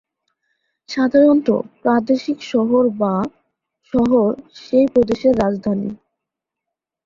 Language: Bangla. সাধারণত, প্রাদেশিক শহর বা শহর সেই প্রদেশের রাজধানী।